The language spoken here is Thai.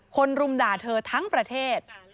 รุมด่าเธอทั้งประเทศ